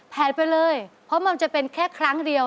ไปเลยเพราะมันจะเป็นแค่ครั้งเดียว